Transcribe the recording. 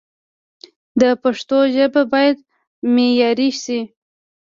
د پښتو ژبه باید معیاري شي